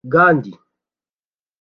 Gand